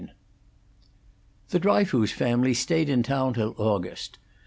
IV The Dryfoos family stayed in town till August.